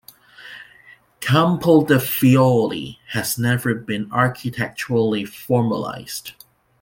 "Campo de' Fiori" has never been architecturally formalized.